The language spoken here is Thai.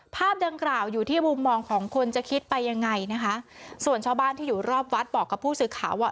ภาพดังกล่าวอยู่ที่มุมมองของคนจะคิดไปยังไงนะคะส่วนชาวบ้านที่อยู่รอบวัดบอกกับผู้สื่อข่าวว่า